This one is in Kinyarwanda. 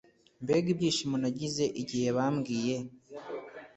Mbega ibyishimo nagize igihe bambwiye